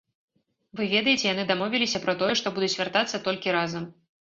Вы ведаеце, яны дамовіліся пра тое, што будуць вяртацца толькі разам.